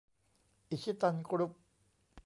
อิชิตัน กรุ๊ป